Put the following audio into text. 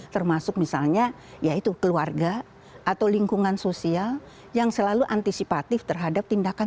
termasuk misalnya ya itu keluarga atau lingkungan sosial yang selalu antisipatif terhadap tindakan